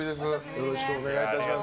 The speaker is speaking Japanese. よろしくお願いします。